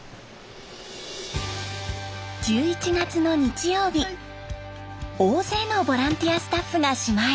１１月の日曜日大勢のボランティアスタッフが島へ。